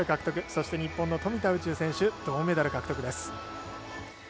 そして、日本の富田宇宙選手銅メダル獲得です。